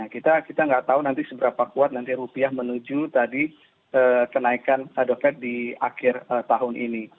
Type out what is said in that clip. kita nggak tahu nanti seberapa kuat nanti rupiah menuju tadi kenaikan the fed di akhir tahun ini